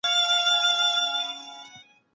خو تودوخه د پروبایوتیک اغېز کموي.